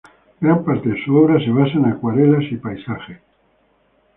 Gran parte de su obra se basa en acuarelas y paisajes.